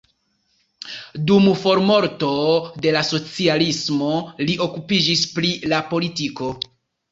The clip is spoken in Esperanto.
Dum formorto de la socialismo li okupiĝis pri la politiko.